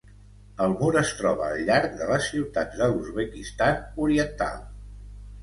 El mur es troba al llarg de les ciutats de l'Uzbekistan oriental.